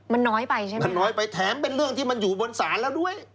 มันน้อยไปใช่ไหมมันน้อยไปแถมเป็นเรื่องที่มันอยู่บนศาลแล้วด้วย